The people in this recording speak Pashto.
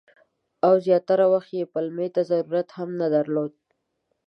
او زیاتره وخت یې پلمې ته ضرورت هم نه درلود.